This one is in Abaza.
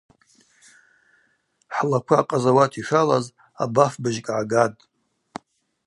Хӏлаква акъазауат йшалаз абафбыжькӏ гӏагатӏ.